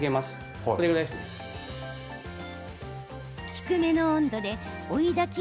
低めの温度で追いだき